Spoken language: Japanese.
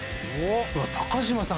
高島さん